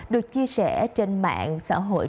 được chia sẻ trên mạng xã hội